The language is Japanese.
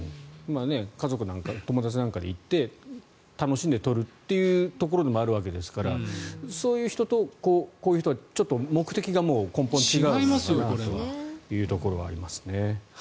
家族なんか友達なんかで行って楽しんで取るというところでもあるわけですからそういう人と、こういう人はちょっと目的が違いますからというところはありますね。